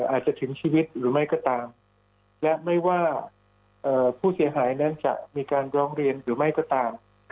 อาจจะถึงชีวิตหรือไม่ก็ตามและไม่ว่าผู้เสียหายนั้นจะมีการร้องเรียนหรือไม่ก็ตาม